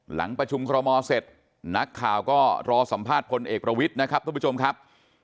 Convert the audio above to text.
หลังประชุมคอรมอเสร็จนักข่าวก็รอสัมภาษณ์พลเอกประวิทย์นะครับทุกผู้ชมครับ